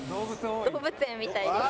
動物園みたいです。